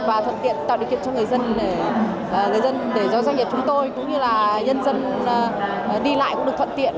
và thuận tiện tạo điều kiện cho người dân để do doanh nghiệp chúng tôi cũng như là nhân dân đi lại cũng được thuận tiện